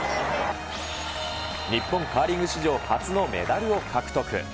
日本カーリング史上初のメダルを獲得。